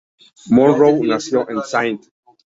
Monroe nació en St.